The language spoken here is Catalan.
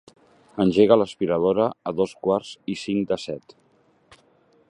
Engega l'aspiradora a dos quarts i cinc de set.